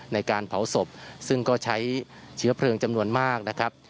ในการเผาศพซึ่งก็ใช้เชื้อเพลิงจำนวนมากนะครับ